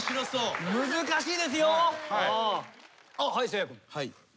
せいや君。